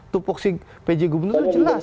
tupoksi pj gubernur itu jelas